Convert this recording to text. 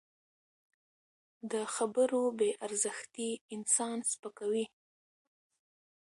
د خبرو بې ارزښتي انسان سپکوي